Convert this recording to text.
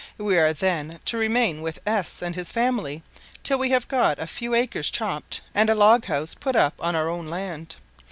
We are, then, to remain with S and his family till we have got a few acres chopped, and a log house put up on our own land.